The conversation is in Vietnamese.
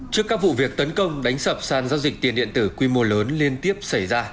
trước các vụ việc tấn công đánh sập sàn giao dịch tiền điện tử quy mô lớn liên tiếp xảy ra